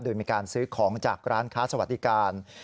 โดยมีการซื้อของจากร้านค้าสวัสดิการ